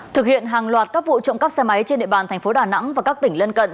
thực hiện hàng loạt các vụ trộm cắp xe máy trên địa bàn thành phố đà nẵng và các tỉnh lân cận